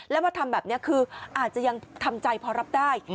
แล้วมาทำแบบนี้คืออาจจะยังทำใจพอรับได้